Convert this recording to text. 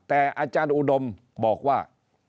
แต่อาจารย์อุดมบอกว่า